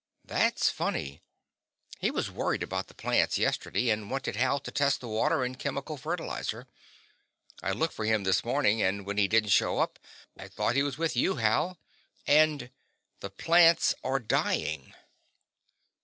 "That's funny. He was worried about the plants yesterday and wanted Hal to test the water and chemical fertilizer. I looked for him this morning, but when he didn't show up, I thought he was with you, Hal. And the plants are dying!"